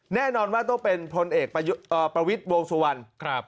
แน่นอนว่าต้องเป็นพลเอกประวิทย์วงสุวรรณ